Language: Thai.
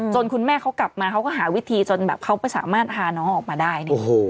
คุณแม่เขากลับมาเขาก็หาวิธีจนแบบเขาไม่สามารถพาน้องออกมาได้เนี่ย